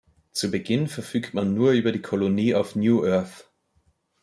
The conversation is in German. Zu Beginn verfügt man nur über die Kolonie auf New Earth.